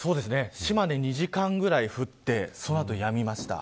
島根は２時間ぐらい降ってその後、やみました。